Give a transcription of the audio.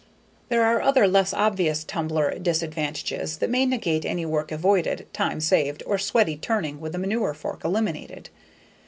There are other less obvious tumbler disadvantages that may negate any work avoided, time saved, or sweaty turning with a manure fork eliminated.